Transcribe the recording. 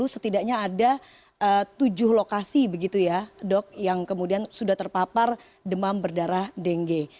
setidaknya ada tujuh lokasi begitu ya dok yang kemudian sudah terpapar demam berdarah dengue